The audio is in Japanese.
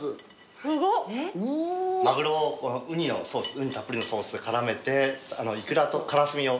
マグロをこのうにたっぷりのソースで絡めてイクラとからすみを。